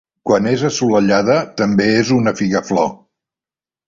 Quan és assolellada també és una figaflor.